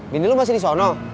dini lu masih di sana